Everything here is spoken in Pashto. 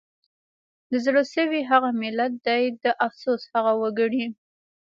د زړه سوي هغه ملت دی د افسوس هغه وګړي